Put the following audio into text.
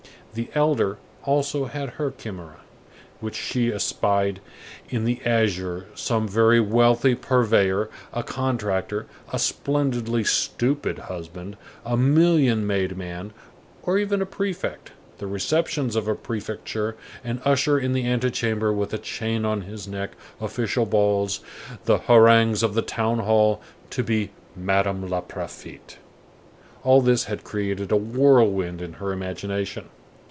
The elder had also her chimera; she espied in the azure some very wealthy purveyor, a contractor, a splendidly stupid husband, a million made man, or even a prefect; the receptions of the Prefecture, an usher in the antechamber with a chain on his neck, official balls, the harangues of the town hall, to be "Madame la Préfète,"—all this had created a whirlwind in her imagination.